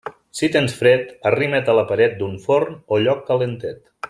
Si tens fred, arrima't a la paret d'un forn o lloc calentet.